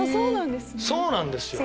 そうなんですね。